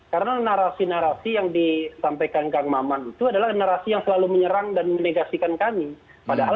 karena narasi narasi yang disampaikan kami itu adalah narasi yang dikawal